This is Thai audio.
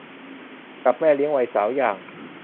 กับแม่เลี้ยงวัยสาวอย่าง